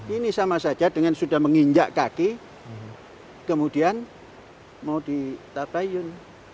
ini sama saja dengan sudah menginjak kaki kemudian mau ditabayun